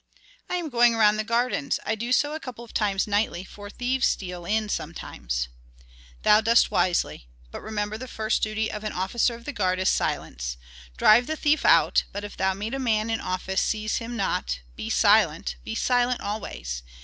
"I am going around the gardens; I do so a couple of times nightly, for thieves steal in sometimes." "Thou dost wisely. But remember the first duty of an officer of the guard is silence. Drive the thief out, but if thou meet a man in office seize him not, be silent, be silent always.